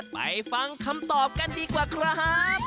ไปฟังคำตอบกันดีกว่าครับ